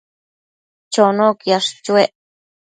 Chono quiash chuec